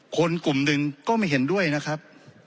คนกลุ่มหนึ่งก็ไม่เห็นด้วยนะครับ